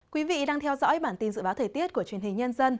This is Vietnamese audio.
quý vị đang theo dõi bản tin dự báo thời tiết của truyền hình nhân dân